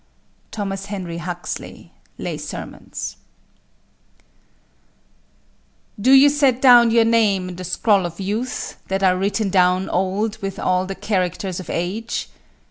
THOMAS HENRY HUXLEY, Lay Sermons. Do you set down your name in the scroll of youth, that are written down old with all the characters of age?